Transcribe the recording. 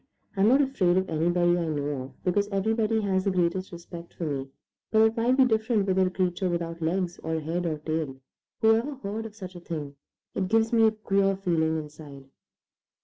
I'm not afraid of anybody I know of, because everybody has the greatest respect for me, but it might be different with a creature without legs or head or tail. Whoever heard of such a thing? It gives me a queer feeling inside."